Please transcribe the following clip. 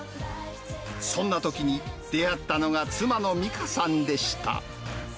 そんなときに出会ったのが、妻の実花さんでした。